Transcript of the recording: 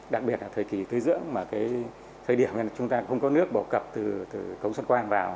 đặc biệt là thời kỳ tưới dưỡng mà thời điểm chúng ta không có nước bổ cập từ cống sân quan vào